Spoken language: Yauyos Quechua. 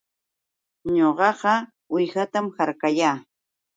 Ñuqa uwihatam akrayaa